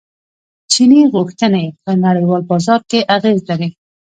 چیني غوښتنې په نړیوال بازار اغیز لري.